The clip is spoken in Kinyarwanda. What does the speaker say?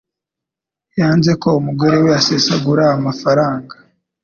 Yanze ko umugore we asesagura amafaranga.